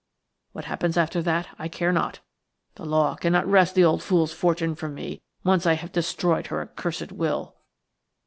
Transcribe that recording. What happens after that I care not. The law cannot wrest the old fool's fortune from me, once I have destroyed her accursed will."